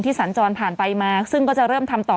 สัญจรผ่านไปมาซึ่งก็จะเริ่มทำต่อ